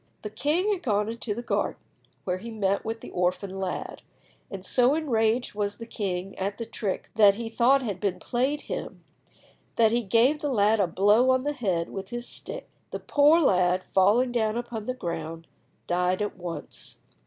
The king had gone into the garden, where he met with the orphan lad; and so enraged was the king at the trick that he thought had been played him, that he gave the lad a blow on the head with his stick. The poor lad, falling down upon the ground, died at once.